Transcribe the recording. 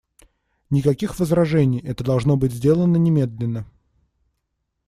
Никаких возражений, это должно быть сделано немедленно.